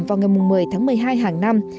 vào ngày một mươi tháng một mươi hai hàng năm